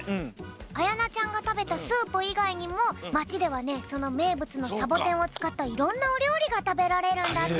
あやなちゃんがたべたスープいがいにもまちではねそのめいぶつのサボテンをつかったいろんなおりょうりがたべられるんだって。